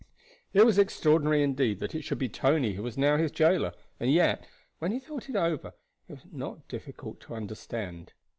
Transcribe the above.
It was extraordinary indeed that it should be Tony who was now his jailer; and yet, when he thought it over, it was not difficult to understand.